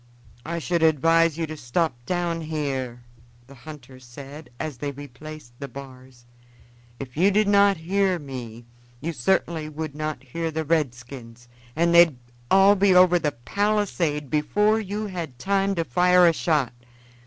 "I should advise you to stop down here," the hunter said as they replaced the bars. "If you did not hear me you certainly would not hear the redskins, and they'd all be over the palisade before you had time to fire a shot.